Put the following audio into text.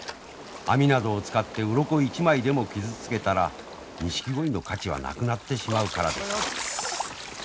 網などを使ってうろこ一枚でも傷つけたらニシキゴイの価値はなくなってしまうからです。